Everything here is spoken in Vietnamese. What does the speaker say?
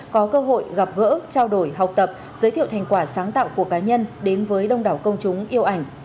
có cơ hội gặp gỡ trao đổi học tập giới thiệu thành quả sáng tạo của cá nhân đến với đông đảo công chúng yêu ảnh